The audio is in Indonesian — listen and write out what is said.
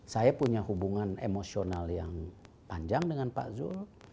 saya punya hubungan emosional yang panjang dengan pak zul